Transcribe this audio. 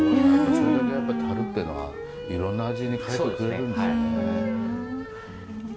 それだけやっぱ樽っていうのはいろんな味に変えてくれるんですね。